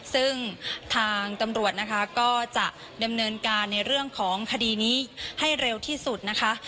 ซึ่งทางตำรวจนะคะก็จะดำเนินการในเรื่องของคดีนี้ให้เร็วที่สุดนะคะ